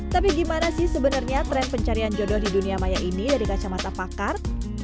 tapi gimana sih sebenarnya tren pencarian jodoh di dunia maya ini dari kacamata pakar